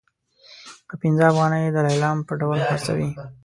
په پنځه افغانۍ د لیلام په ډول خرڅوي.